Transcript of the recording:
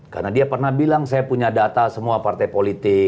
karena dia pernah bilang saya punya data semua partai politik